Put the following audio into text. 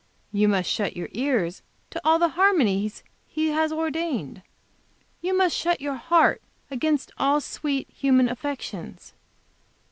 You must shut your eyes to all the harmonies He has ordained. You must shut your heart against all sweet human affections.